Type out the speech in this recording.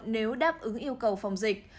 nếu đáp ứng yêu cầu phòng dịch